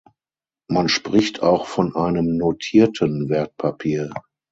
Man spricht auch von einem "notierten" Wertpapier.